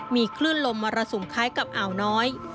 มีคลื่นลมมรสุมคล้ายกับอ่าวน้อย